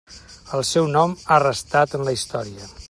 El seu nom ha restat en la història.